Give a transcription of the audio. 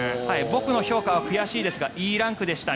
僕の評価は悔しいですがＥランクでした